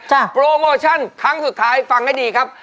โปรโมชั่นครั้งสุดท้ายฟังให้ดีครับ